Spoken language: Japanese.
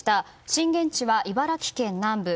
震源地は茨城県南部。